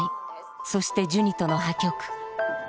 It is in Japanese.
そしてジュニとの破局。